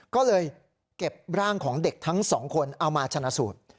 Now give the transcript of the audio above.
ก็เลยเก็บร่างของเด็กทั้งสองคนเอามาชนะสูตร